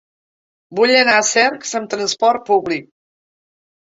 Vull anar a Cercs amb trasport públic.